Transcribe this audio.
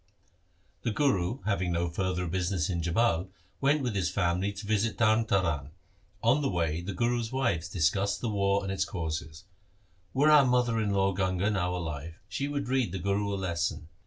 The Guru having no further business in Jhabal went with his family to visit Tarn Taran. On the way the Guru's wives discussed the war and its causes —' Were our mother in law Ganga now alive, she would read the Guru a lesson.